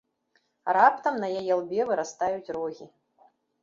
Раптам на яе лбе вырастаюць рогі.